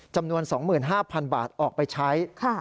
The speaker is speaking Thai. จำนวน๒๕๐๐๐บาทออกไปใช้